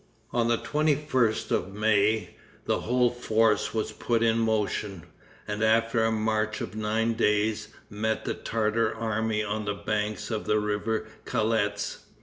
On the 21st of May, the whole force was put in motion, and after a march of nine days, met the Tartar army on the banks of the river Kalets.